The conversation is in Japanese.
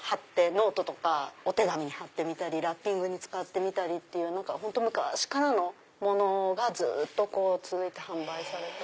ノートとかお手紙に貼ったりラッピングに使ったりという本当昔からのものがずっと続いて販売されて。